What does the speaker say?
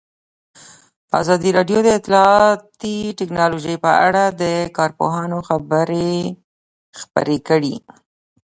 ازادي راډیو د اطلاعاتی تکنالوژي په اړه د کارپوهانو خبرې خپرې کړي.